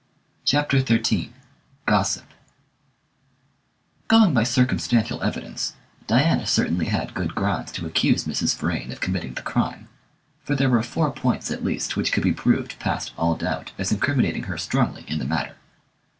CHAPTER XIII GOSSIP Going by circumstantial evidence, Diana certainly had good grounds to accuse Mrs. Vrain of committing the crime, for there were four points at least which could be proved past all doubt as incriminating her strongly in the matter.